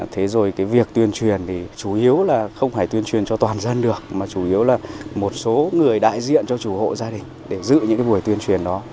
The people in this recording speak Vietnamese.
thế rồi cái việc tuyên truyền thì chủ yếu là không phải tuyên truyền cho toàn dân được mà chủ yếu là một số người đại diện cho chủ hộ gia đình để giữ những cái buổi tuyên truyền đó